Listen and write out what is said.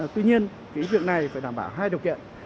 tuy nhiên cái việc này phải đảm bảo hai điều kiện